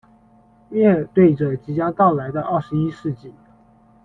面对着即将到来的二十一世纪